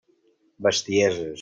Bestieses!